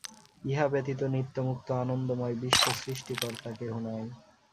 ইহা ব্যতীত নিত্যমুক্ত, আনন্দময় বিশ্ব-সৃষ্টিকর্তা কেহ নাই।